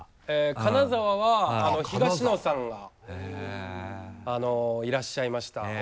金沢は東野さんがいらっしゃいました。